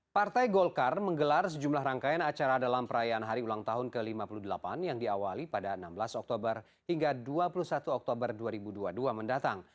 partai golkar menggelar sejumlah rangkaian acara dalam perayaan hari ulang tahun ke lima puluh delapan yang diawali pada enam belas oktober hingga dua puluh satu oktober dua ribu dua puluh dua mendatang